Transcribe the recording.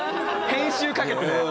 編集かけて。